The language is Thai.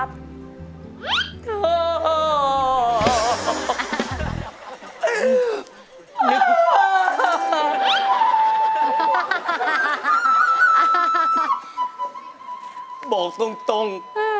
บอกตรง